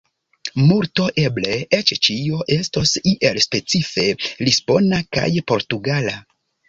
Multo, eble eĉ ĉio, estos iel specife lisbona kaj portugala.